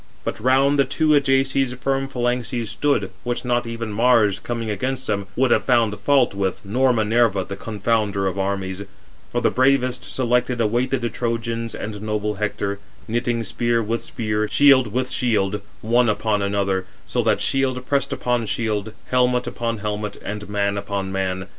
But round the two Ajaces firm phalanxes stood, which not even Mars, coming amongst them, would have found fault with, nor Minerva, the confounder of armies; for the bravest selected awaited the Trojans and noble Hector; knitting spear with spear, shield with shield, 416 one upon another, 417 so that shield pressed upon shield, helmet upon helmet, and man upon man.